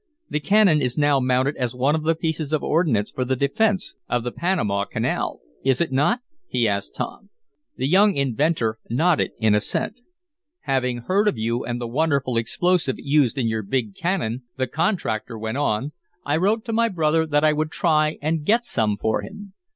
The cannon is now mounted as one of the pieces of ordnance for the defense of the Panama Canal, is it not?" he asked Tom. The young inventor nodded in assent. "Having heard of you, and the wonderful explosive used in your big cannon," the contractor went on, "I wrote to my brother that I would try and get some for him.